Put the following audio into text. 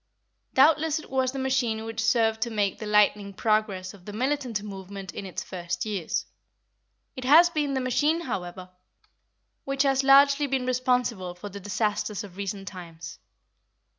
Doubtless it was the machine which served to make the lightning progress of the militant movement in its first years; it has been the machine, however, which has largely been responsible for the disasters of recent times.